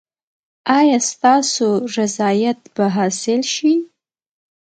ایا ستاسو رضایت به حاصل شي؟